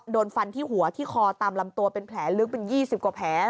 โดนฟันที่หัวที่คอตามลำตัวเป็นแผลลึกเป็น๒๐กว่าแผล